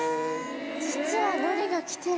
実はのりが来てる。